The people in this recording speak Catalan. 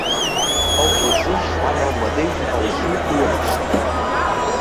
Els russos fan el mateix al sud-oest.